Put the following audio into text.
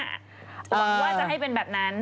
กลัวจะให้เรียนแบบนั้น